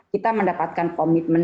kita mendapatkan komitmen